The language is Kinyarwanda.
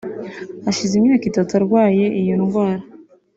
Hashize imyaka itatu arwaye iyo ndwara